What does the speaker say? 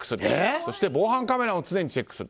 そして防犯カメラも常にチェックする。